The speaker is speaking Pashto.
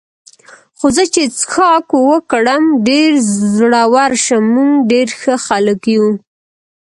خو زه چې څښاک وکړم ډېر زړور شم، موږ ډېر ښه خلک یو.